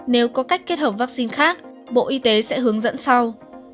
nếu có cách kết hợp vaccine khác bộ y tế sẽ hướng dẫn sau